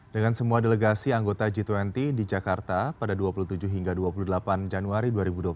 dengan semua delegasi anggota g dua puluh di jakarta pada dua puluh tujuh hingga dua puluh delapan januari dua ribu dua puluh